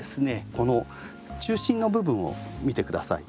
この中心の部分を見て下さい。